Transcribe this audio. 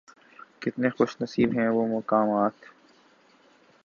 کتنے خوش نصیب ہیں وہ مقامات